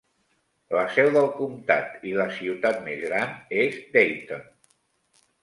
La seu del comtat i la ciutat més gran és Dayton.